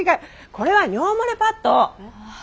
これは尿漏れパッド。